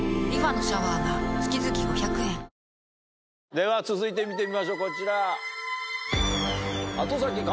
では続いて見てみましょうこちら。